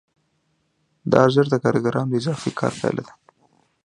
دا ارزښت د کارګرانو د اضافي کار پایله ده